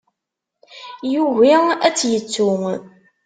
Yugi ad tt-yettu.